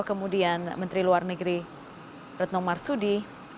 kemudian menteri luar negeri retno marsudi